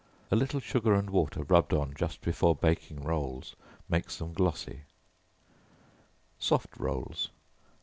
A little sugar and water rubbed on just before baking rolls makes them glossy. Soft Rolls.